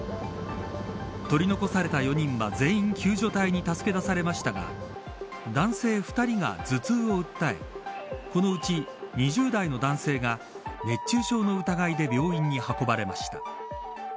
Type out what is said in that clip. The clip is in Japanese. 取り残された４人は全員救助隊に助けられましたが男性２人が頭痛を訴えこのうち２０代の男性が熱中症の疑いで病院に運ばれました。